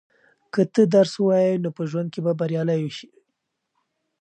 که ته درس ووایې نو په ژوند کې به بریالی شې.